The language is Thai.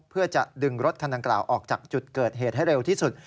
เพื่อจะดึงรถคันดังกล่าวออกจากจุดเกิดเหตุให้เร็วที่สุด